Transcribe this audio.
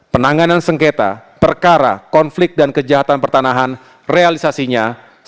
penanganan sengketa perkara konflik dan kejahatan pertanahan realisasinya satu ratus dua puluh tiga puluh dua